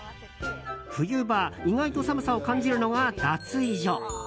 冬場、意外と寒さを感じるのが脱衣所。